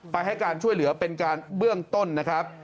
ให้การช่วยเหลือเป็นการเบื้องต้นนะครับ